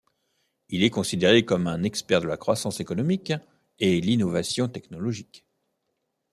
Il est considéré comme un expert de la croissance économique et l'innovation technologique.